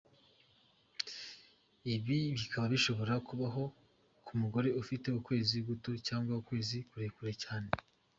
Ibi bikaba bishobora kubaho ku mugore ufite ukwezi guto cyangwa ukwezi kurekure cyane.